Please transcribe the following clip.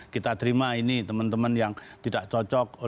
kita terima ini teman teman yang tidak cocok